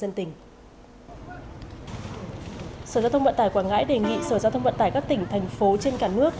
sở giao thông vận tải quảng ngãi đề nghị sở giao thông vận tải các tỉnh thành phố trên cả nước